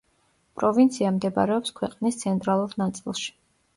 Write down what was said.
პროვინცია მდებარეობს ქვეყნის ცენტრალურ ნაწილში.